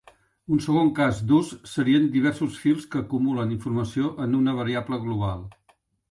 Un segon cas d'ús serien diversos fils que acumulen informació en una variable global.